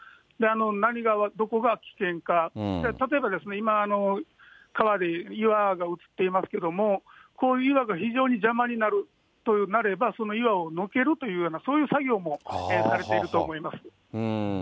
何が、どこが危険か、例えばですね、今、川で岩が映っていますけれども、こういう岩が非常に邪魔になれば、その岩をのけるというような、そういう作業もされていると思います。